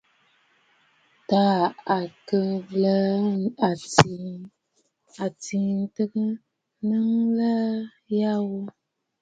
Taà à kɨ̀ lɔ̀ɔ̂ àtì ǹtɔʼɔ nɨ̂ŋgɔ̀ɔ̀ nya ghu.